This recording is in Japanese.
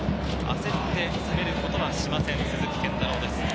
焦って攻めることはしません、鈴木健太郎です。